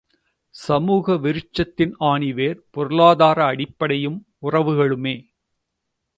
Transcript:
சமூக விருட்சத்தின் ஆணிவேர் பொருளாதார அடிப்படையும், உறவுகளுமே.